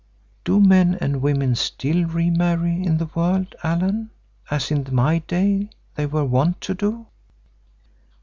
Do men and women still re marry in the world, Allan, as in my day they were wont to do?"